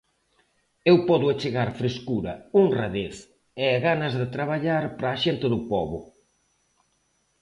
Eu podo achegar frescura, honradez e ganas de traballar para a xente do pobo.